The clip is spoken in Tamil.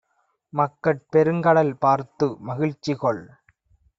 மக்கட் பெருங்கடல் பார்த்து மகிழ்ச்சிகொள்!